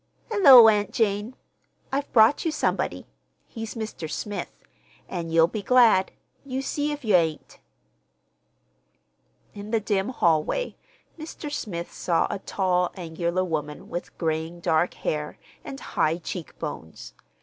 "Hullo, Aunt Jane! I've brought you somebody. He's Mr. Smith. An' you'll be glad. You see if yer ain't!" In the dim hallway Mr. Smith saw a tall, angular woman with graying dark hair and high cheek bones.